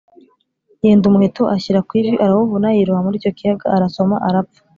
Yenda umuheto ashyira ku ivi arawuvuna, yiroha muri icyo kiyaga arasoma arapfa